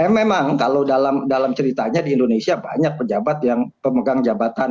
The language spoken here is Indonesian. memang kalau dalam ceritanya di indonesia banyak pejabat yang pemegang jabatan